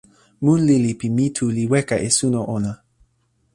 mun lili pi mi tu li weka e suno ona.